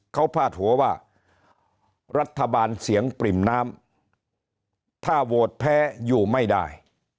เขาพาดหัวว่ารัฐบาลเสียงปริ่มน้ำถ้าโหวตแพ้อยู่ไม่ได้